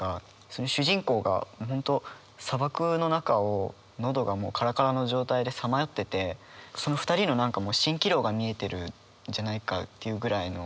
その主人公が本当砂漠の中を喉がカラカラの状態でさまよっててその２人の何かしんきろうが見えてるんじゃないかっていうぐらいの。